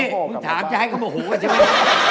นี่คุณถามจะให้เขามาหูกันใช่ไหม